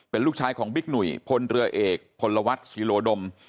เป็นลูกชายของบิ๊กหนุ่ยพลเรือเอกพลวัฒน์ศิโลดม